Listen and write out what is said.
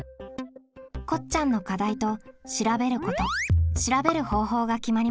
こっちゃんの「課題」と「調べること」「調べる方法」が決まりました。